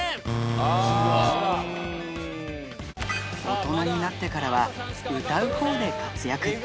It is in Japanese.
大人になってからは、歌うほうで活躍。